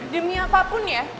demi apapun ya